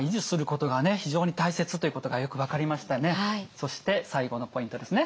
そして最後のポイントですね。